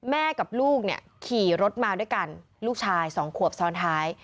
กับลูกเนี่ยขี่รถมาด้วยกันลูกชายสองขวบซ้อนท้าย